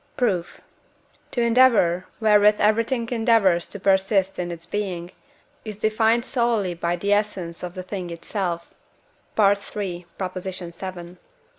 Proof. The endeavour, wherewith everything endeavours to persist in its being, is defined solely by the essence of the thing itself (III. vii.)